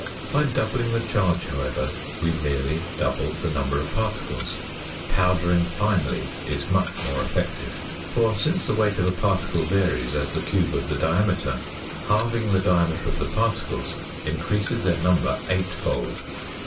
By doubling the charge, however, we merely double the number of particles. Powdering finely is much more effective; for, since the weight of a particle varies as the cube of the diameter, halving the diameter of the particles increases their number eight fold.